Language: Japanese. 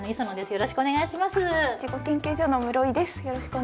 よろしくお願いします。